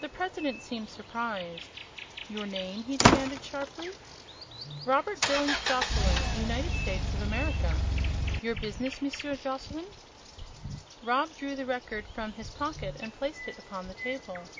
The President seemed surprised. "Your name!" he demanded, sharply. "Robert Billings Joslyn, United States of America!" "Your business, Monsieur Joslyn!" Rob drew the Record from his pocket and placed it upon the table.